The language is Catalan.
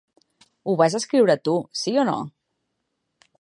Ho vas escriure tu, sí o no?